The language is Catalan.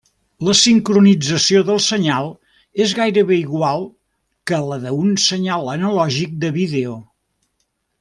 La sincronització del senyal és gairebé igual que la d'un senyal analògic de vídeo.